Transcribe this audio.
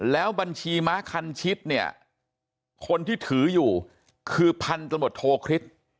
แล้วบัญชีม้าคันชิดเนี่ยคนที่ถืออยู่คือพันธมตโทคริสต์